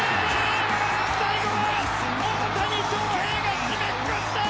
最後は大谷翔平が締めくくった！